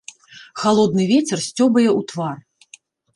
Халодны вецер сцёбае ў твар.